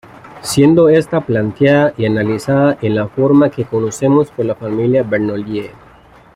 Siendo está planteada y analizada en la forma que conocemos por la familia Bernoulli.